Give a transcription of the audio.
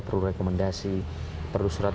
perlu rekomendasi perlu surat